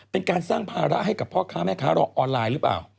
เป็นการสร้างภาระให้กับพ่อค้าแม่ค้ารอออนไลน์หรือเปล่า